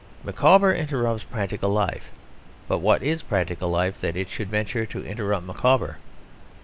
Micawber interrupts practical life; but what is practical life that it should venture to interrupt Micawber?